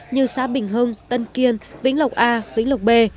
như xã bình hưng tân kiên vĩnh lộc a vĩnh lộc b